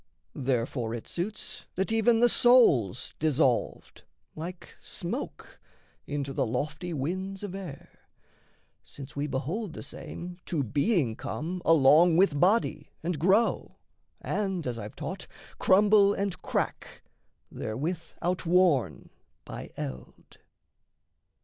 Therefore it suits that even the soul's dissolved, Like smoke, into the lofty winds of air; Since we behold the same to being come Along with body and grow, and, as I've taught, Crumble and crack, therewith outworn by eld.